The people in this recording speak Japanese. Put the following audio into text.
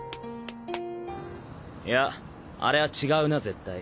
いやあれは違うな絶対。